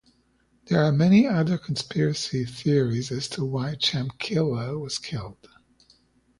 There are many other conspiracy theories as to why Chamkila was killed.